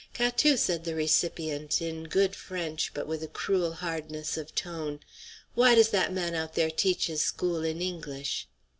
"Catou," said the recipient, in good French but with a cruel hardness of tone, "why does that man out there teach his school in English?"